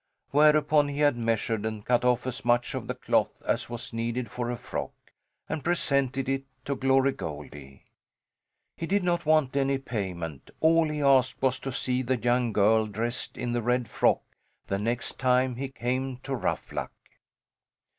Whereupon he had measured and cut off as much of the cloth as was needed for a frock, and presented it to Glory Goldie. He did not want any payment, all he asked was to see the young girl dressed in the red frock the next time he came to Ruffluck.